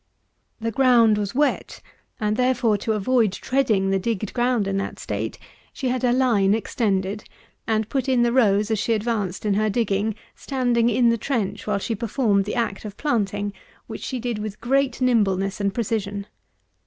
The ground was wet, and therefore, to avoid treading the digged ground in that state, she had her line extended, and put in the rows as she advanced in her digging, standing in the trench while she performed the act of planting, which she did with great nimbleness and precision.